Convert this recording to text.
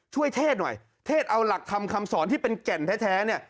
เทศหน่อยเทศเอาหลักธรรมคำสอนที่เป็นแก่นแท้เนี่ย